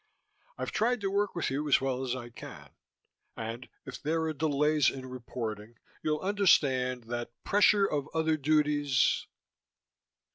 I've tried to work with you as well as I can, and if there are delays in reporting, you'll understand that pressure of other duties....